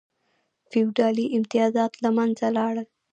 فیوډالي امتیازات له منځه لاړل.